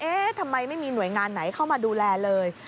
ทำไมไม่มีหน่วยงานไหนเข้ามาดูแลเลย